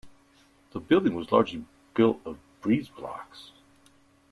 The building was largely built of breezeblocks